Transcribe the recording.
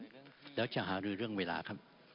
เราจะหาด้วยเรื่องเวลาครับ